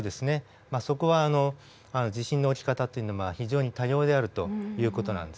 そこは地震の起き方というのは非常に多様であるという事なんですね。